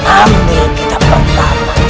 ambil kita pertama